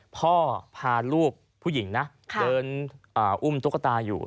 พาลูกผู้หญิงนะเดินอุ้มตุ๊กตาอยู่